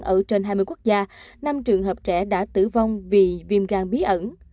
ở trên hai mươi quốc gia năm trường hợp trẻ đã tử vong vì viêm gan bí ẩn